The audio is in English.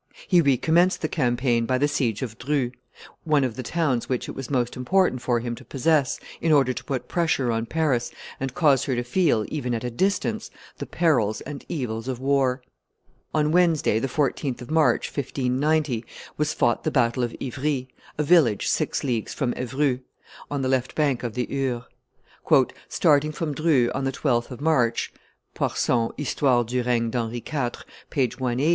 He recommenced the campaign by the siege of Dreux, one of the towns which it was most important for him to possess in order to put pressure on Paris, and cause her to feel, even at a distance, the perils and evils of war. On Wednesday, the 14th of March, 1590, was fought the battle of Ivry, a village six leagues from Evreux, on the left bank of the Eure. "Starting from Dreux on the 12th of March" [Poirson, _Histoire du Regne d'Henri IV.,__ t. i. p.